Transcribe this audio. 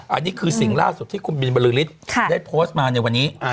อันนี้คือสิ่งล่าสุดที่คุณบินบริษฐ์ได้โพสต์มาในวันนี้